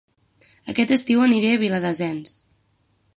Aquest estiu aniré a Viladasens